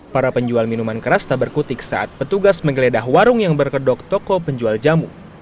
para penjual minuman keras tak berkutik saat petugas menggeledah warung yang berkedok toko penjual jamu